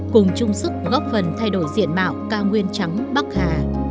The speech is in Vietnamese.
cùng chung sức góp phần thay đổi diện mạo cao nguyên trắng bắc hà